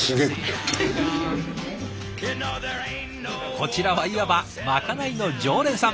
こちらはいわばまかないの常連さん。